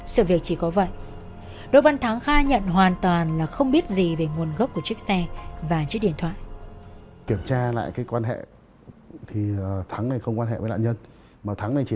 sự việc chỉ có vậy đỗ văn thắng khai nhận hoàn toàn là không biết gì về nguồn gốc của chiếc xe và chiếc điện thoại